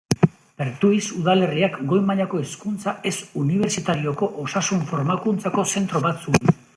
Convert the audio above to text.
Pertuis udalerriak goi-mailako hezkuntza ez unibertsitarioko osasun-formakuntzako zentro bat zuen.